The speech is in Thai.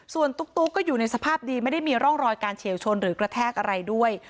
ส่วนตุ๊กก็อยู่ในสภาพดีไม่ได้มีร่องรอยการเฉียวชนหรือกระแทกอะไรด้วย